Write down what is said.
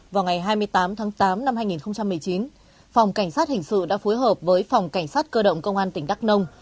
vào ngày hai mươi tám tháng tám năm hai nghìn một mươi chín phòng cảnh sát hình sự đã phối hợp với phòng cảnh sát cơ động công an tỉnh đắk nông